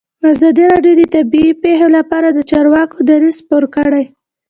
ازادي راډیو د طبیعي پېښې لپاره د چارواکو دریځ خپور کړی.